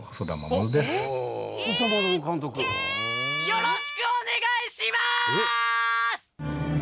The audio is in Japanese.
よろしくお願いしまぁす！